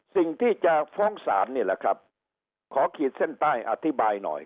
สิ่งที่จะฟ้องศาลนี่แหละครับขอขีดเส้นใต้อธิบายหน่อย